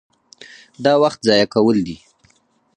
دا وخت ضایع کول دي.